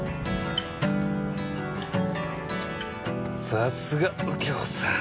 さっすが右京さん。